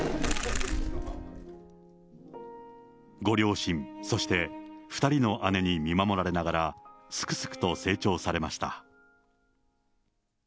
ご両親、そして２人の姉に見守られながら、すくすくと成長されました。